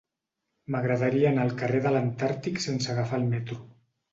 M'agradaria anar al carrer de l'Antàrtic sense agafar el metro.